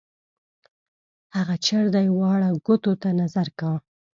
هغه چر دی واړه ګوتو ته نظر کا.